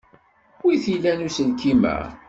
Wi t-ilan uselkim-a?